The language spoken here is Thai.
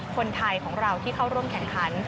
คนไทยของเราที่เข้าร่วมแข่งขัน